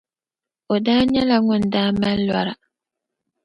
o daa nyɛla ŋun daa mali lɔra.